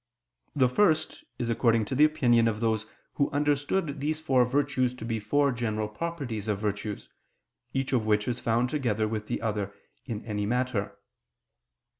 The first is according to the opinion of those who understood these four virtues to be four general properties of virtues, each of which is found together with the other in any matter.